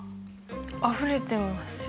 あふれてますよ。